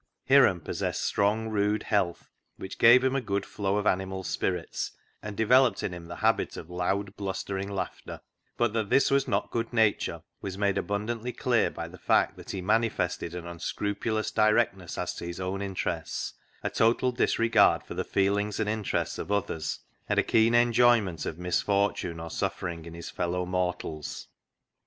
Hiram possessed strong, rude health, which gave him a good flow of animal spirits, and developed in him the habit of loud, blustering laughter; but that this was not good nature was made abundantly clear by the fact that he manifested an unscrupulous directness as to his own interests, a total disregard for the feelings and interests of others, and a keen enjoy ment of misfortune or suffering in his fellow mortals.